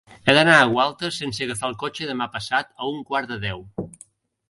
He d'anar a Gualta sense agafar el cotxe demà passat a un quart de deu.